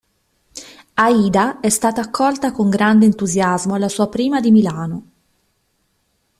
Aida è stata accolta con grande entusiasmo alla sua prima di Milano.